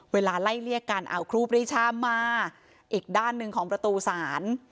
เวลาไล่เลี่ยกันเอาครูปรีชามาอีกด้านหนึ่งของประตูศาล